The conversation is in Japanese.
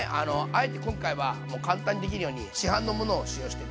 あえて今回は簡単にできるように市販のものを使用してて。